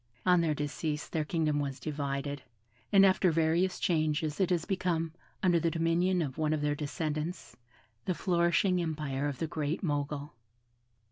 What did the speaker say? On their decease their kingdom was divided, and after various changes it has become, under the dominion of one of their descendants, the flourishing empire of the Great Mogul.